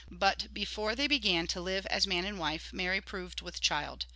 But, before they began to hve as man and wife, Mary proved with child.